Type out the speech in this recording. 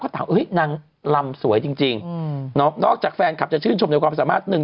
ถามนางลำสวยจริงนอกจากแฟนคลับจะชื่นชมในความสามารถหนึ่ง